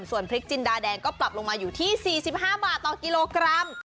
ส่วนพริกจินดาแดงก็ปรับลงมาอยู่ที่๔๕บาทต่อกิโลกรัม